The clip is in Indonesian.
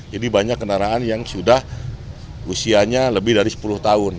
jadi banyak kendaraan yang sudah usianya lebih dari sepuluh tahun